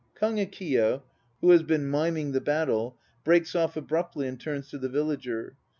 (KAGEKIYO, who has been miming the battle, breaks off abruptly and turns to the VILLAGER.